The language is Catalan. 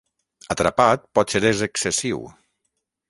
’Atrapat potser és excessiu!